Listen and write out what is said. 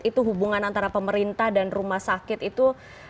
itu hubungan antara pemerintah dan rumah sakit itu